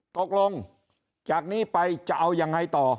ตกลงจากนี้ไปจะเอายังไงต่อ